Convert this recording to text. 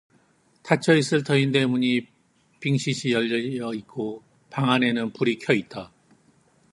닫혀 있을 터인 대문이 방싯이 열리어 있고 방 안에는 불이 켜 있다.